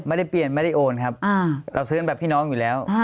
ไม่ได้เปลี่ยนไม่ได้โอนครับเราซื้อกันแบบพี่น้องอยู่แล้ว